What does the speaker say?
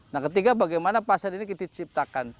nah ketiga bagaimana pasar ini kita ciptakan